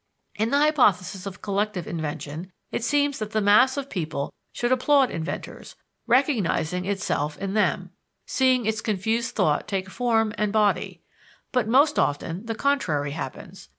In the hypothesis of collective invention, it seems that the mass of people should applaud inventors, recognizing itself in them, seeing its confused thought take form and body: but most often the contrary happens.